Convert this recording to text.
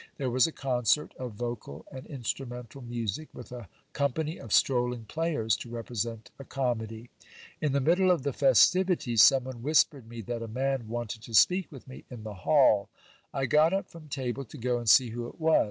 There was a concert of vocal and instrumental music, with a company of strolling players, to represent a comedy. In the middle of th i festivities, some one whispered me that a man wanted to speak with me in th i hall. I got up from table to go and see who it was.